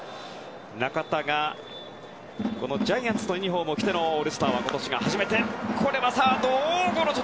中田がジャイアンツのユニホームを着てのオールスターはこれが初めて。